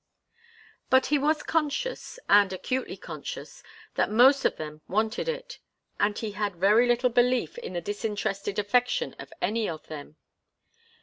But he was conscious, and acutely conscious, that most of them wanted it, and he had very little belief in the disinterested affection of any of them.